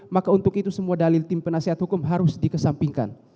maka untuk itu semua dalil tim penasehat hukum harus dikesampingkan